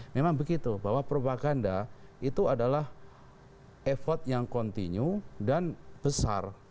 memang begitu bahwa propaganda itu adalah effort yang continue dan besar